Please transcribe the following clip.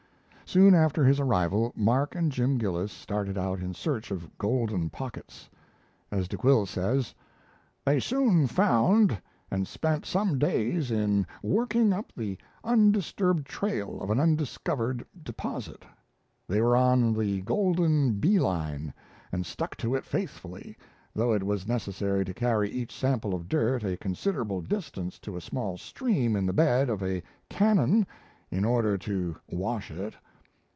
Soon after his arrival, Mark and Jim Gillis started out in search of golden pockets. As De Quille says: "They soon found and spent some days in working up the undisturbed trail of an undiscovered deposit, They were on the 'golden bee line' and stuck to it faithfully, though it was necessary to carry each sample of dirt a considerable distance to a small stream in the bed of a canon in order to wash it.